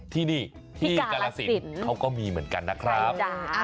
ที่นี่ที่กาลสินเขาก็มีเหมือนกันนะครับ